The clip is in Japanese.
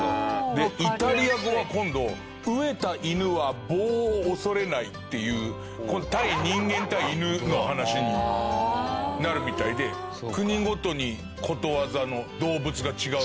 でイタリア語は今度「飢えた犬は棒を恐れない」っていう人間対犬の話になるみたいで国ごとにことわざの動物が違うみたいです。